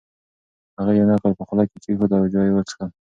هغې یو نقل په خوله کې کېښود او چای یې وڅښل.